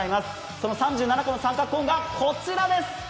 その３７個の三角コーンがこちらです。